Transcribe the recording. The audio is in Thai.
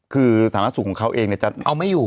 คือสถานกศึกษาของเขาเองเอาไม่อยู่